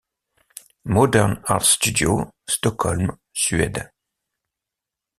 Modern Art Studio, Stockholm, Suède.